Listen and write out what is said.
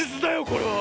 これは！